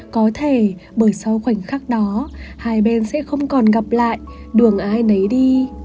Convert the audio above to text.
có thể bởi sau khoảnh khắc đó hai bên sẽ không còn gặp lại đường ai nấy đi